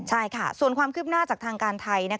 ใช่ค่ะส่วนความคืบหน้าจากทางการไทย